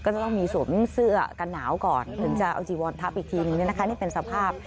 ทิ้งเสื้อกันหนาวก่อนถึงจะเอาจีวอลทับอีกทีหนึ่งนี่เป็นสภาพ